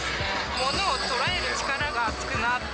ものを捉える力がつくなって。